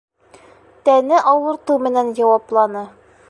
Тәне ауыртыу менән яуапланы.